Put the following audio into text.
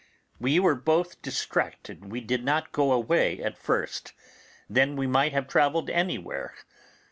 We were both distracted we did not go away at first; then we might have travelled anywhere.